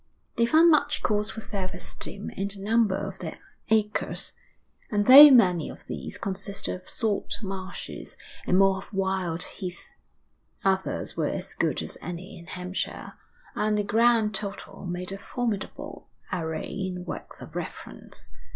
They found much cause for self esteem in the number of their acres, and, though many of these consisted of salt marshes, and more of wild heath, others were as good as any in Hampshire; and the grand total made a formidable array in works of reference.